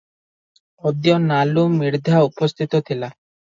ଅଦ୍ୟ ନାଲୁ ମିର୍ଦ୍ଧା ଉପସ୍ଥିତ ଥିଲା ।